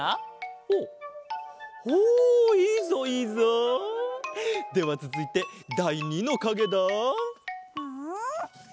ほうほういいぞいいぞ！ではつづいてだい２のかげだ。